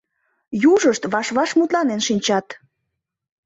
Южышт ваш-ваш мутланен шинчат.